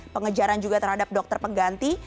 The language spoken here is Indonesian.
pengejaran juga terhadap dokter pengganti